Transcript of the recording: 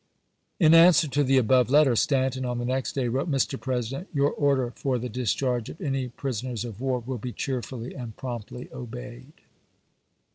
In answer to the above letter, Stanton, on the next day, wrote :" Mr. Pres ident : Your order for the discharge of any prison ers of war will be cheerfully and promptly obeyed."